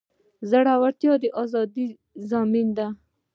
زړورتیا د ازادۍ ضامن دی.